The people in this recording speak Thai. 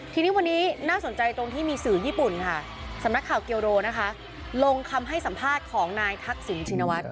ทีนี้วันนี้น่าสนใจตรงที่มีสื่อญี่ปุ่นค่ะสำนักข่าวเกียวโรนะคะลงคำให้สัมภาษณ์ของนายทักษิณชินวัฒน